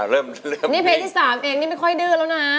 นี่เพลงที่๓เองนี่ไม่ค่อยดื้อแล้วนะ